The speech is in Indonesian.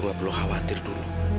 aku gak perlu khawatir dulu